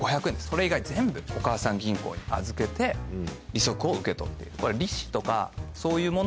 これ以外全部おかあさん銀行に預けて利息を受け取っている。